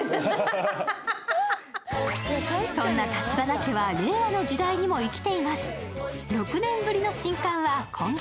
そんなタチバナ家は令和の時代にも生きています。